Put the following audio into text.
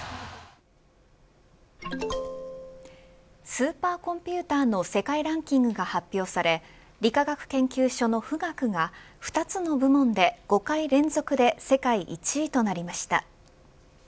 スーパーコンピューターの世界ランキングが発表され理化学研究所の富岳が２つの部門で５回連続で世界１位となりました。